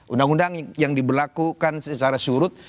undang undang yang diberlakukan secara surut